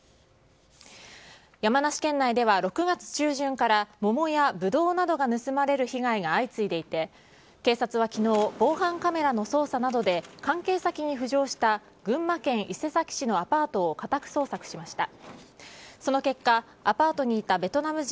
山梨県内では６月中旬から桃やブドウなどが盗まれる被害が相次いでいて警察は昨日防犯カメラの捜査などで関係先に浮上した群馬県伊勢崎市のアパートを家宅捜索しました。